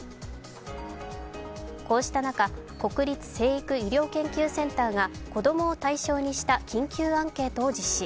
こうした中、国立成育医療研究センターが子供を対象にした緊急アンケートを実施。